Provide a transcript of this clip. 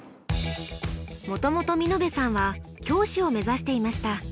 もともと美濃部さんは教師を目指していました。